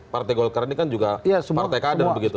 partai golkar ini kan juga partai kader begitu